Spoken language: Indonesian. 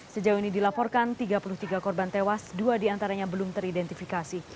sejauh ini dilaporkan tiga puluh tiga korban tewas dua diantaranya belum teridentifikasi